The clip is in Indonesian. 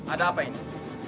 ada apa ini